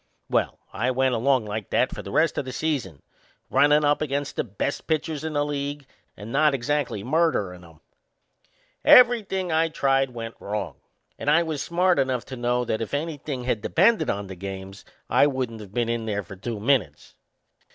Well, I went along like that for the rest o' the season, runnin' up against the best pitchers in the league and not exactly murderin' 'em. Everything I tried went wrong, and I was smart enough to know that if anything had depended on the games I wouldn't of been in there for two minutes.